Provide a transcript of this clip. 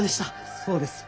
そうです。